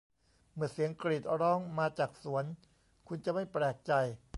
เมื่อเสียงกรีดร้องมาจากสวน คุณจะไม่แปลกใจ